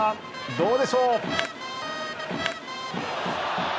どうでしょう？